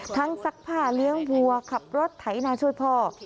ซักผ้าเลี้ยงวัวขับรถไถนาช่วยพ่อ